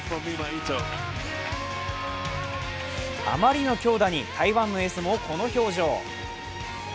あまりの強打に台湾のエースもこの表情。